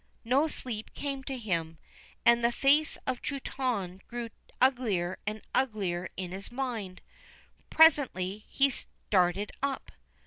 No sleep came to him, and the face of Truitonne grew uglier and uglier in his mind. Presently he started up.